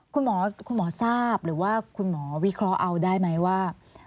คุณหมอคุณหมอทราบหรือว่าคุณหมอวิเคราะห์เอาได้ไหมว่า